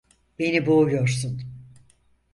Beni boğuyorsun.